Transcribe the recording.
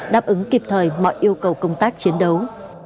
đáp ứng kịp thời mọi yêu cầu công tác chiến đấu